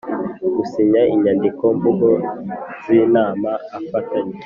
Gusinya inyandikomvugoz inama afatanyije